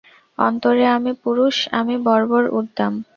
অন্তরে আমি পুরুষ, আমি বর্বর উদ্দাম।